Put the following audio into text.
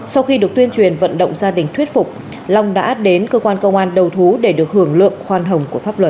sau khi được tuyên truyền vận động gia đình thuyết phục long đã đến cơ quan công an đầu thú để được hưởng lượng khoan hồng của pháp luật